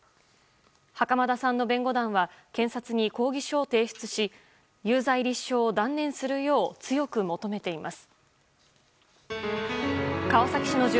袴田さんの弁護団は検察に抗議書を提出し有罪立証を断念するよう強く求めています。